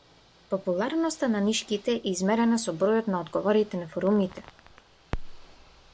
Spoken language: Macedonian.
Популарноста на нишките е измерена со бројот на одговорите на форумите.